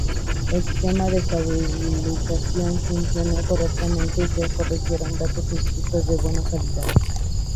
El sistema de estabilización funcionó correctamente y se recogieron datos científicos de buena calidad